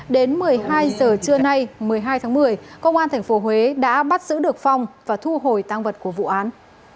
đến một mươi hai giờ trưa nay một mươi hai tháng một mươi công an tp huế đã bắt giữ được phong và thu hồi tăng vật của vụ án